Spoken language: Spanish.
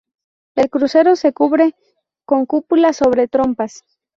El crucero se cubre con cúpula sobre trompas.